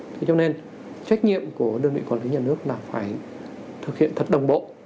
thế cho nên trách nhiệm của đơn vị quản lý nhà nước là phải thực hiện thật đồng bộ